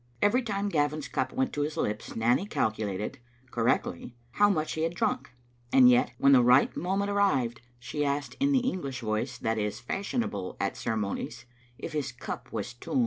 Every time Gavin's cup went to his lips Nanny calculated (cor rectly) how much he had drunk, and yet^ when the right moment arrived, she asked in the English voice that is fashionable at ceremonies, " if his cup was toom."